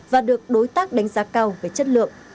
và được đối tác đánh giá cao về chất lượng